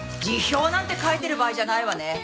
辞表なんて書いてる場合じゃないわね！